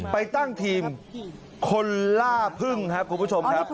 ไปตั้งทีมคนล่าพึ่งครับคุณผู้ชมครับ